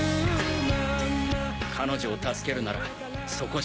彼女を助けるならそこしかない。